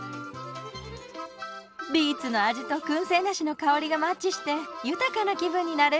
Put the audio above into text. ビーツの味とくん製梨の香りがマッチして豊かな気分になれるんです。